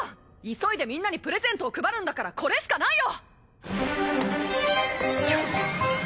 急いでみんなにプレゼントを配るんだからこれしかないよ！